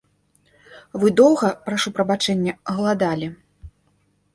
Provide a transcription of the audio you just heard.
Вы доўга, прашу прабачэння, галадалі.